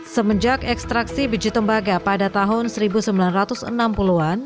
semenjak ekstraksi biji tembaga pada tahun seribu sembilan ratus enam puluh an